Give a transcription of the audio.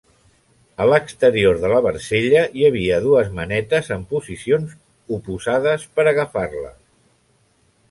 A l'exterior de la barcella hi havia dues manetes, en posicions oposades, per agafar-la.